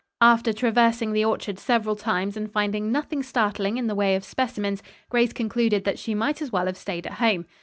After traversing the orchard several times and finding nothing startling in the way of specimens, Grace concluded that she might as well have stayed at home.